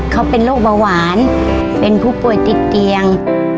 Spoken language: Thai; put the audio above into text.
เขาเป็นโรคเบาหวานเป็นผู้ป่วยติดเตียง